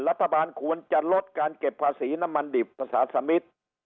รัฐบาลควรจะลดการเก็บภาษีน้ำมันดิบภาษาสมิท